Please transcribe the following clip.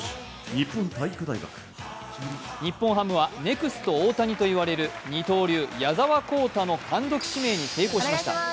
日本ハムはネクスト大谷といわれる二刀流・矢澤宏太の単独指名に成功しました。